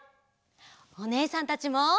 おねえさんたちも。